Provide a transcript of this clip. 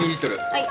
はい。